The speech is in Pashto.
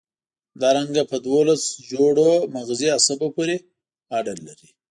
همدارنګه په دوولس جوړو مغزي عصبو پورې اړه لري.